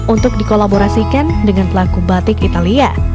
untuk dikolaborasikan dengan pelaku batik italia